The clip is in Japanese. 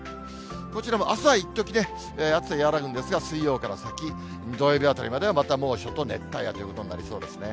こちらもあすは一時、暑さ和らぐんですが、水曜から先、土曜日あたりまではまた猛暑と熱帯夜ということになりそうですね。